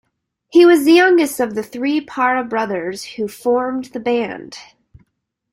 He was the youngest of the three Parra brothers who formed the band.